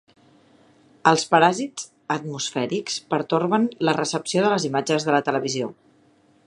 Els paràsits atmosfèrics pertorben la recepció de les imatges de la televisió.